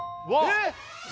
えっ！